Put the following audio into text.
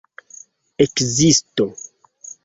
ekzisto